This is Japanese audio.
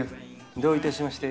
どういたしまして。